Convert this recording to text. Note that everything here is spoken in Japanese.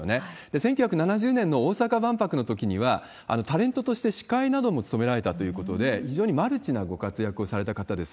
１９７０年の大阪万博のときには、タレントとして司会なども務められたということで、非常にマルチなご活躍をされた方です。